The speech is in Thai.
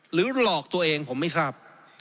หลอกตัวเองผมไม่ทราบ